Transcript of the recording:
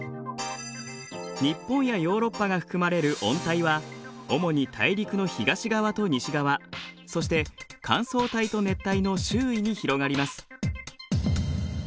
日本やヨーロッパが含まれる温帯は主に大陸の東側と西側そして乾燥帯と熱帯の周囲に広がります。